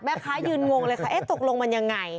แม่ค้ายืนงงเลยค่ะตกลงมันยังไง